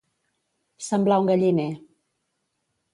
Semblar un galliner.